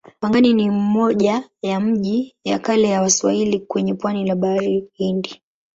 Pangani ni moja ya miji ya kale ya Waswahili kwenye pwani la Bahari Hindi.